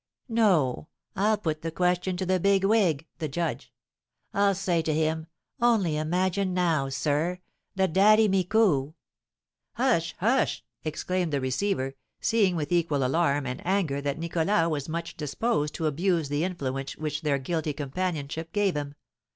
"No, I'll put the question to the big wig (the judge). I'll say to him, only imagine now, sir, that Daddy Micou " "Hush, hush!" exclaimed the receiver, seeing with equal alarm and anger that Nicholas was much disposed to abuse the influence which their guilty companionship gave him.